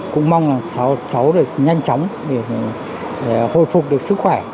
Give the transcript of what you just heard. cũng mong cháu được nhanh chóng để hồi phục được sức khỏe